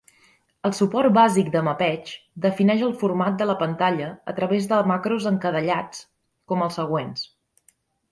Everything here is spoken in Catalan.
El suport bàsic de mapeig defineix el format de la pantalla a través de macros encadellats com els següents.